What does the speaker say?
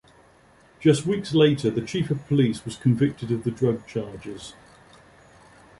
Just weeks later the chief of police was convicted of the drug charges.